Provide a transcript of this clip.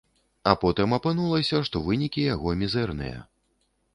А потым апынулася, што вынікі яго мізэрныя.